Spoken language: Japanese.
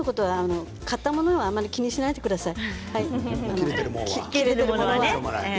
買ったものはあまり気にしないでください。